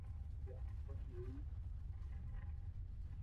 Yabin gua cheʼebinu.